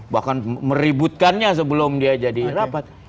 bahkan meributkannya sebelum dia jadi rapat